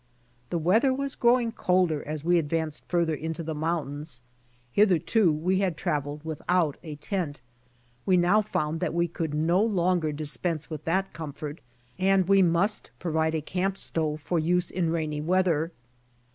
The weather was growing colder as we advanced further into the mountains. Hitherto we had traveled without a tent. We now found that we could no longer dispense with that comfort, and we must provide a camp stove for use in rainy weather.